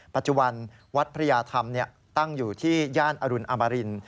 ปัจจุบันวัดพระยาธรรมตั้งอยู่ที่ย่านอรุณอมริน